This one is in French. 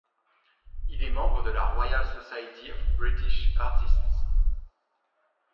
Il est membre de la Royal Society of British Artists.